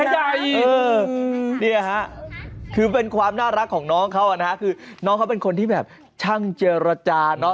นี่ค่ะคือเป็นความน่ารักของน้องเขานะฮะคือน้องเขาเป็นคนที่แบบช่างเจรจาเนอะ